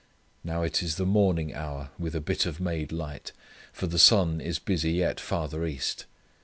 Now it is the morning hour with a bit of made light, for the sun is busy yet farther east.